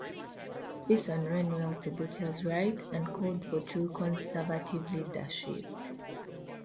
Beason ran well to Bachus's right and called for true conservative leadership.